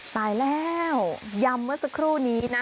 ตายแล้วยำเมื่อสักครู่นี้นะ